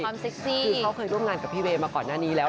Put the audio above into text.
คือเขาเคยร่วมงานกับพี่เวมาก่อนหน้านี้แล้ว